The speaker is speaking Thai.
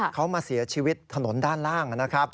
เขามาเสียชีวิตถนนด้านล่างนะครับ